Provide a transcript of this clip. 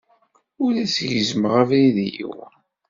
Ur as-gezzmeɣ abrid i yiwen.